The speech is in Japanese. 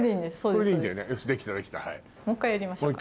もう１回やりましょう。